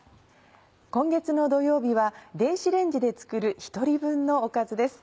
今月の土曜日は「電子レンジで作る１人分のおかず」です。